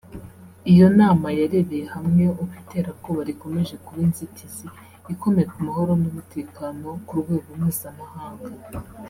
Iyo nama yarebeye hamwe uko iterabwoba rikomeje kuba inzitizi ikomeye ku mahoro n’umutekano ku rwego mpuzamahanga